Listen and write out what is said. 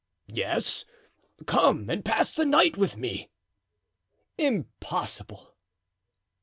"Yes; come and pass the night with me." "Impossible!"